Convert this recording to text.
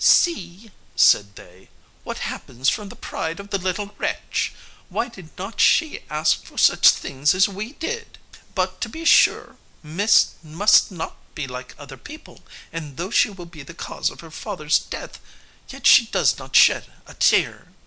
"See," said they, "what happens from the pride of the little wretch; why did not she ask for such things as we did? But, to be sure, miss must not be like other people; and though she will be the cause of her father's death, yet she does not shed a tear."